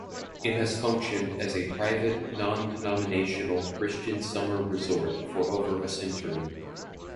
It has functioned as a private non-denominational Christian summer resort for over a century.